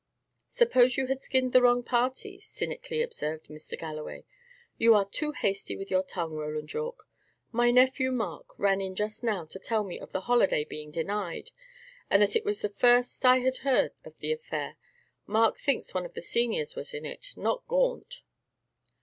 "Suppose you had skinned the wrong party?" cynically observed Mr. Galloway. "You are too hasty with your tongue, Roland Yorke. My nephew, Mark, ran in just now to tell me of the holiday being denied, and that was the first I had heard of the affair. Mark thinks one of the seniors was in it; not Gaunt."